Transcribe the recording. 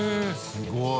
すごい。